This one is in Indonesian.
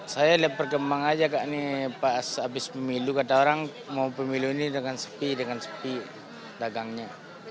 saya lihat berkembang aja kak ini pas habis pemilu kata orang mau pemilu ini dengan sepi dengan sepi dagangnya